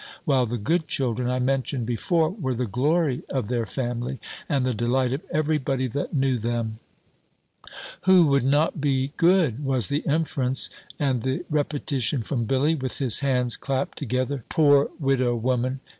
While the good children I mentioned before, were the glory of their family, and the delight of every body that knew them." "Who would not be good?" was the inference: and the repetition from Billy, with his hands clapt together, "Poor widow woman!"